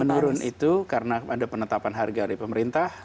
menurun itu karena ada penetapan harga dari pemerintah